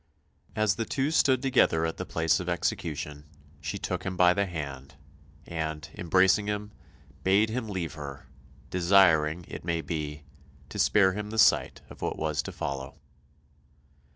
As the two stood together at the place of execution, she took him by the hand, and, embracing him, bade him leave her desiring, it may be, to spare him the sight of what was to follow.